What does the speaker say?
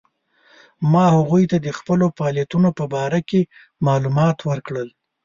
ما هغوی ته د خپلو فعالیتونو په باره کې معلومات ورکړل.